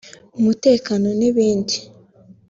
umutekano n’ibindi